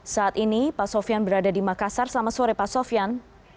saat ini pak sofian berada di makassar selamat sore pak sofian